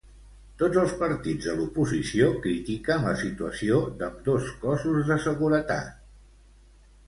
Tots els partits de l'oposició critiquen la situació d'ambdós cossos de seguretat.